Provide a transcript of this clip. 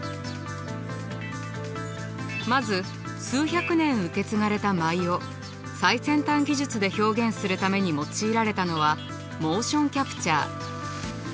まず数百年受け継がれた舞を最先端技術で表現するために用いられたのはモーションキャプチャー。